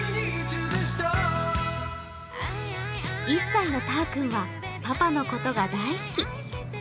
１歳のたーくんはパパのことが大好き。